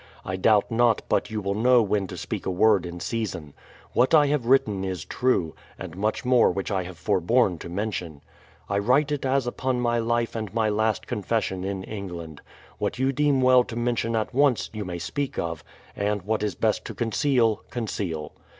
I doubt not but you will know when to speak a word in season. What I have written is true, and much more which I have foreborne to mention. I write it as upon my life and my last confession in England. What you deem well to mention at once, you may speak of; and what is best to conceal, conceal.